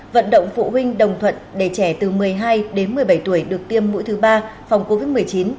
vận động phụ huynh đồng thuận để trẻ từ một mươi hai đến một mươi bảy tuổi được tiêm mũi thứ ba phòng covid một mươi chín